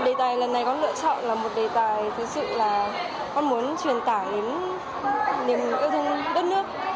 đề tài lần này con lựa chọn là một đề tài thực sự là con muốn truyền tải đến niềm yêu thương đất nước